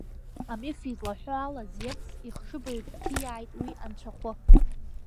Амиф излаҳәо ала, Зевс ихшыбаҩ дҭиааит уи анцәахәы.